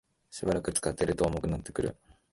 しばらく使っていると重くなってくる